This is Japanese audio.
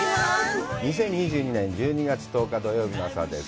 ２０２２年１２月１０日、土曜日の朝です。